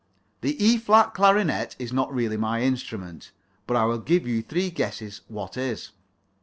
The E flat clarionet is not really my instrument, but I will give you three guesses what is.